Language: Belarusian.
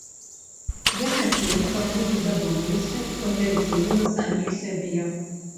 Я хацеў, каб людзі задумаліся і паглядзелі на саміх сябе.